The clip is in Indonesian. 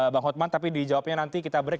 bang hotman tapi dijawabnya nanti kita break